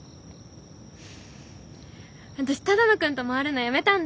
私只野くんと回るのやめたんだ。